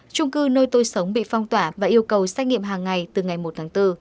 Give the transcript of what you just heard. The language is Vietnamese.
trung cư nơi tôi sống bị phong tỏa và yêu cầu xét nghiệm hàng ngày từ ngày một tháng bốn